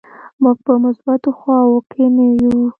موږ په مثبتو خواو کې نه یو.